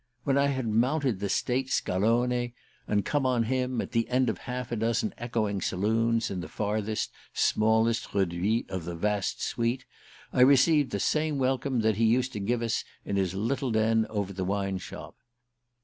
When I had mounted the state Scalone, and come on him, at the end of half a dozen echoing saloons, in the farthest, smallest reduit of the vast suite, I received the same welcome that he used to give us in his little den over the wine shop.